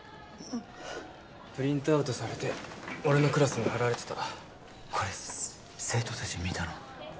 プリントアウトされて俺のクラスに貼られてたこれ生徒達見たの？